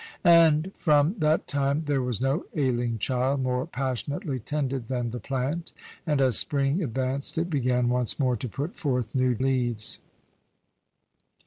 And from that time there was no ailing child more passionately tended than the plant, and as spring advanced it began once more to put forth new leaves.